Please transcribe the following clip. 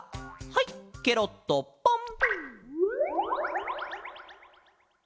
はいケロッとポン！